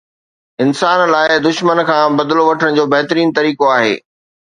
انسان لاءِ دشمن کان بدلو وٺڻ جو بهترين طريقو آهي